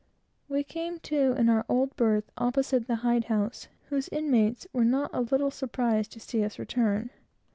We came to, in our old berth, opposite the hide house, whose inmates were not a little surprised to see us return.